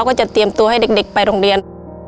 ก็จะเตรียมตัวให้เด็กไปโรงเรียน